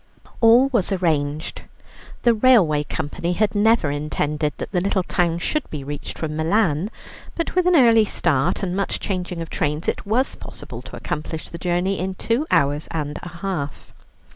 All was arranged. The railway company had never intended that the little town should be reached from Milan, but with an early start and much changing of trains it was possible to accomplish the journey in two hours and a half.